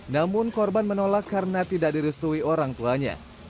namun korban menolak karena tidak direstui orang tuanya